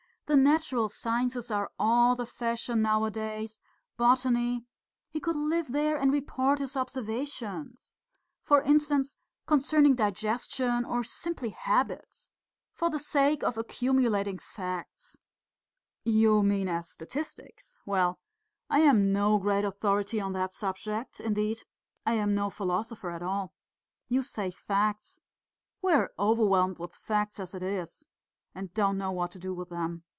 The natural sciences are all the fashion nowadays, botany.... He could live there and report his observations.... For instance, concerning digestion or simply habits. For the sake of accumulating facts." "You mean as statistics. Well, I am no great authority on that subject, indeed I am no philosopher at all. You say 'facts' we are overwhelmed with facts as it is, and don't know what to do with them.